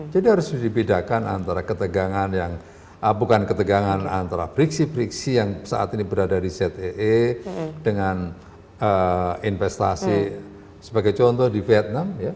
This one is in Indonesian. jadi harus dipindahkan antara ketegangan yang bukan ketegangan antara priksi priksi yang saat ini berada di zee dengan investasi sebagai contoh di vietnam